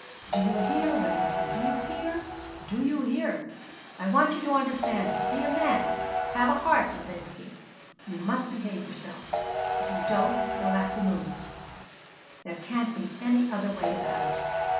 Do you hear, Levinsky? Do you hear? Do you hear? I want you to understand it. Be a man. Have a heart, Levinsky. You must behave yourself. If you don't you'll have to move. There can't be any other way about it.